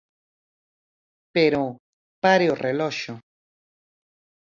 Pero, pare o reloxo.